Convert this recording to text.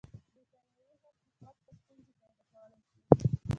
برټانوي هند حکومت ته ستونزې پیدا کولای شي.